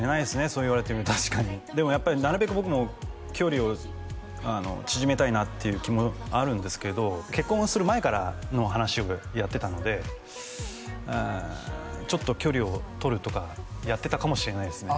そう言われてみると確かにでもやっぱりなるべく僕も距離を縮めたいなっていう気もあるんですけど結婚する前からの話をやってたのでちょっと距離を取るとかやってたかもしれないですね